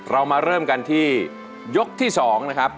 เรามาเริ่มกันที่ยกที่๒นะครับ